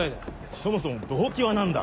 そもそも動機は何だ？